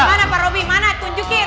gimana pak robby mana tunjukin